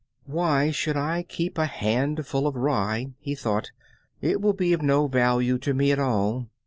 "Why should I keep a handful of rye?" he thought, "It will be of no value to me at all."